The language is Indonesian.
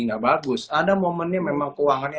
nggak bagus ada momennya memang keuangannya